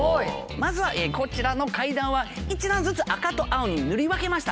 まずはこちらの階段は一段ずつ赤と青に塗り分けました。